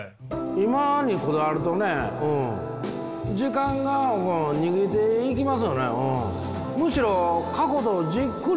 今にこだわると時間逃げていきます。